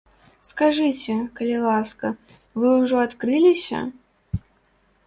Скажыце, калі ласка, вы ўжо адкрыліся?